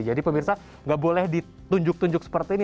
jadi pemirsa nggak boleh ditunjuk tunjuk seperti ini